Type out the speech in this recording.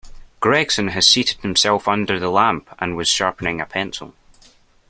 Gregson had seated himself under the lamp and was sharpening a pencil.